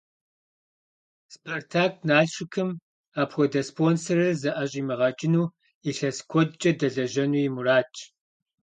«Спартак-Налшыкым» апхуэдэ спонсорыр зыӀэщӀимыгъэкӀыну, илъэс куэдкӀэ дэлэжьэну и мурадщ.